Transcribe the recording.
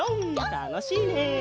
たのしいね！